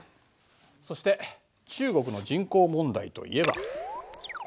そして中国の人口問題といえば。